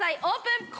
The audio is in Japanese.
オープン！